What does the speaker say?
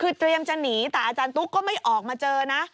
คือเตรียมจะหนีแต่อาจารย์ตุ๊กก็ไม่ออกมาเจอนะ